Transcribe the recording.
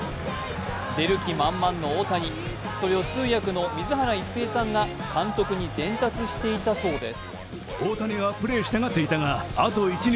出る気満々の大谷、それを通訳の水原一平さんが監督に伝達していたそうです。